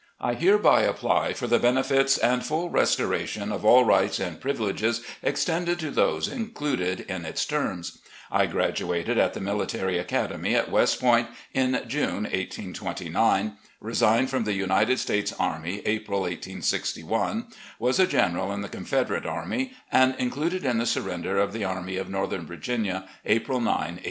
I hereby apply for the benefits and full restoration of all rights and privileges extended to those included in its terms. I graduated at the Military A PRIVATE CITIZEN i6s Academy at West Point in June, 1829; resigned from the United States Army, April, 1861 ; was a general in the Confederate Army, and included in the surrender of the Army of Northern Virginia, April 9, 1865.